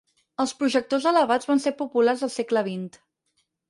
Els projectors elevats van ser populars al segle XX.